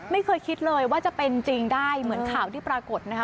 ไม่เคยคิดเลยว่าจะเป็นจริงได้เหมือนข่าวที่ปรากฏนะคะ